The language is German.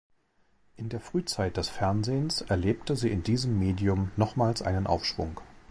In der Frühzeit des Fernsehens erlebte sie in diesem Medium nochmals einen Aufschwung.